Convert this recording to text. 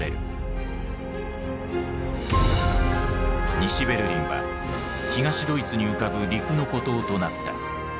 西ベルリンは東ドイツに浮かぶ陸の孤島となった。